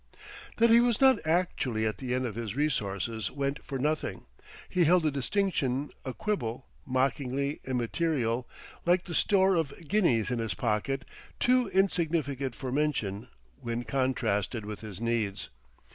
That he was not actually at the end of his resources went for nothing; he held the distinction a quibble, mockingly immaterial, like the store of guineas in his pocket, too insignificant for mention when contrasted with his needs.